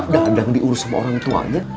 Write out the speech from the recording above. dadang diurus sama orang tuanya